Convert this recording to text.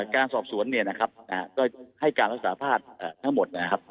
การสอบสวนเนี่ยนะครับก็ให้การรักษาภาพทั้งหมดนะครับ